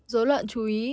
dối loạn chú ý